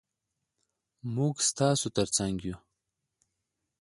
موږ ستاسو تر څنګ یو.